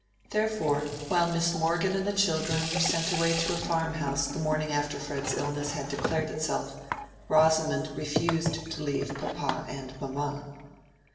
Therefore, while Miss Morgan and the children were sent away to a farmhouse the morning after Fred's illness had declared itself, Rosamond refused to leave papa and mamma.